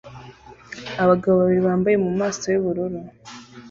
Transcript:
Abagabo babiri bambaye mumaso yubururu